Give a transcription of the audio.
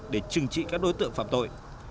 để trừng trị các đối tượng phạm tội